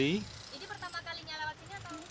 ini pertama kalinya lewat sini atau